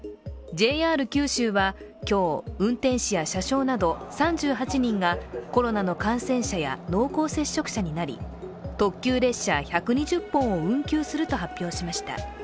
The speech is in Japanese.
ＪＲ九州は、今日、運転士や車掌など３８人がコロナの感染者や濃厚接触者になり、特急列車１２０本を運休すると発表しました。